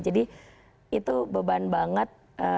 jadi itu beban banget